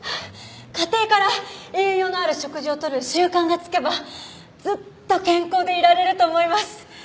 家庭から栄養のある食事をとる習慣がつけばずっと健康でいられると思います。